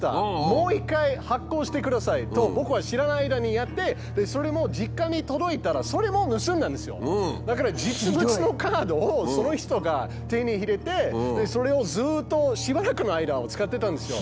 もう一回発行してください」と僕が知らない間にやってそれもだから実物のカードをその人が手に入れてそれをずっとしばらくの間使ってたんですよ。